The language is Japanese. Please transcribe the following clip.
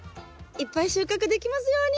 いっぱい収穫できますように！